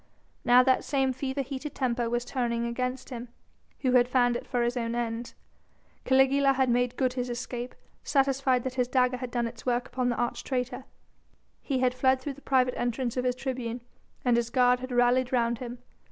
Now that same fever heated temper was turning against him, who had fanned it for his own ends. Caligula had made good his escape, satisfied that his dagger had done its work upon the arch traitor. He had fled through the private entrance of his tribune, and his guard had rallied round him.